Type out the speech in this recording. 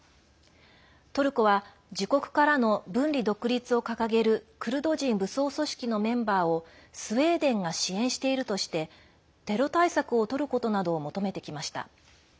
トルコは自国からの分離独立を掲げるクルド人武装組織のメンバーをスウェーデンが支援しているとしてテロ対策をとることなどを求めてきました。